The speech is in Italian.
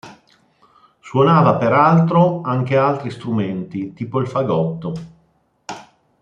Suonava peraltro anche altri strumenti, tipo il fagotto.